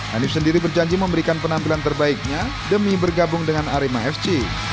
hanif sendiri berjanji memberikan penampilan terbaiknya demi bergabung dengan arema fc